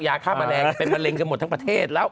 ยาฆ่าแมลงเป็นมะเร็งกันหมดทั้งประเทศแล้ว